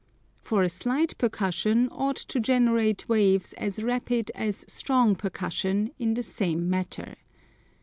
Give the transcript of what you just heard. For a slight percussion ought to generate waves as rapid as strong percussion in the same matter.